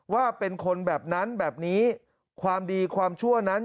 ว่าเป็นคนแบบนั้นแบบนี้ความดีความชั่วนั้น